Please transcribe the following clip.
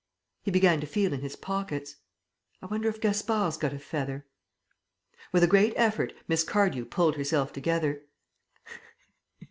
He began to feel in his pockets. "I wonder if Gaspard's got a feather?" With a great effort Miss Cardew pulled herself together.